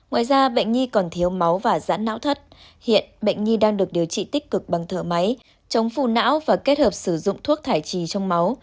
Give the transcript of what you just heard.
ngoài ra bệnh nhi còn thiếu máu và giãn não thất hiện bệnh nhi đang được điều trị tích cực bằng thở máy chống phù não và kết hợp sử dụng thuốc thải trì trong máu